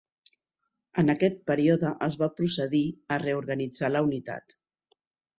En aquest període es va procedir a reorganitzar la unitat.